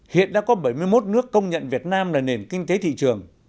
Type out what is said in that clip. hiện đã có bảy mươi một nước công nhận việt nam là nền kinh tế thị trường